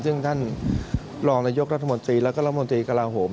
ซึ่งท่านรองนายกรัฐมนตรีแล้วก็รัฐมนตรีกระลาโหม